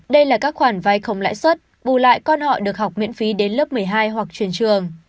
đây là các khoản vay không lãi xuất bù lại con họ được học miễn phí đến lớp một mươi hai hoặc chuyển trường